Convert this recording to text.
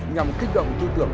nhằm kích động tư tưởng